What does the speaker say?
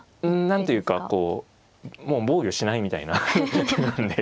何ていうかこうもう防御しないみたいな手なんで。